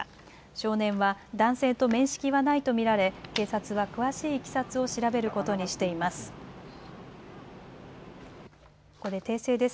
少年は男性と面識はないと見られ警察は詳しいいきさつを調べることにしています。